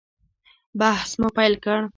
بحث مو پیل کړ.